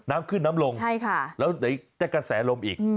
น้ำขึ้นน้ำลงแล้วจะกระแสลมอีก